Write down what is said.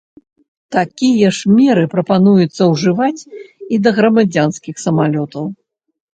Такія ж меры прапануецца ўжываць і да грамадзянскіх самалётаў.